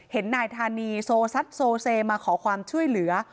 นายธานีโซซัดโซเซมาขอความช่วยเหลือ